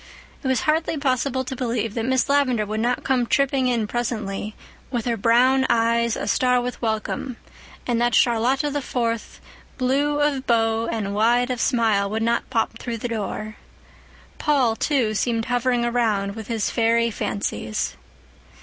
It was hardly possible to believe that Miss Lavendar would not come tripping in presently, with her brown eyes a star with welcome, and that Charlotta the Fourth, blue of bow and wide of smile, would not pop through the door. Paul, too, seemed hovering around, with his fairy fancies.